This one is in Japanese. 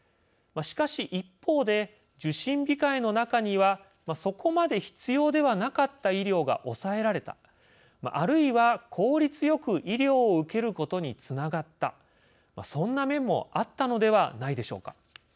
しかし一方で、受診控えの中にはそこまで必要ではなかった医療が抑えられたあるいは、効率よく医療を受けることにつながったそんな面もあったのではないでしょうか。